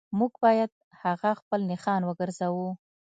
موږ باید هغه خپل نښان وګرځوو